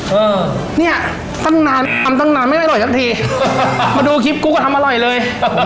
เออเนี่ยตั้งนานทำตั้งนานไม่อร่อยสักทีมาดูคลิปกูก็ทำอร่อยเลย